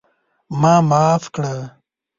ما معاف کړه!